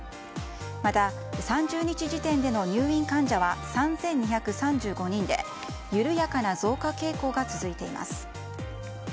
また、３０日時点での入院患者は３２３５人で緩やかな増加傾向が続いています。